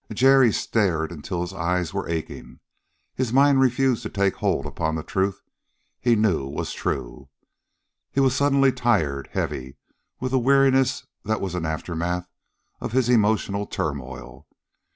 Jerry stared until his eyes were aching. His mind refused to take hold upon the truth he knew was true. He was suddenly tired, heavy with weariness that was an aftermath of his emotional turmoil.